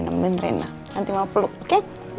nanti mau peluk oke